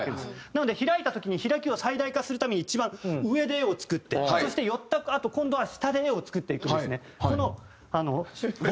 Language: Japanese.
なので開いた時に開きを最大化するために一番上で画を作ってそして寄ったあと今度は下で画を作っていくんですね。